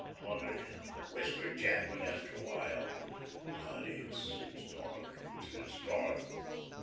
"Honey," whispered Jadwin, after a while. "Honey, it's dark, it's dark.